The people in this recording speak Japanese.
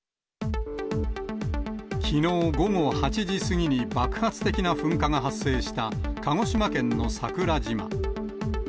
きのう午後８時過ぎに爆発的な噴火が発生した鹿児島県の桜島。